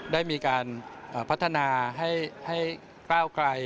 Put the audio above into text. ได้มีการพัฒนาให้ก้าวไกล